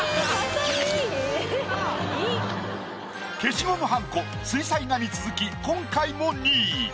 消しゴムはんこ水彩画に続き今回も２位。